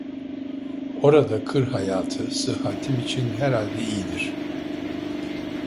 Orada kır hayatı sıhhatim için herhalde iyidir.